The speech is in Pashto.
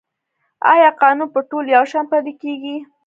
آیا قانون په ټولو یو شان پلی کیږي؟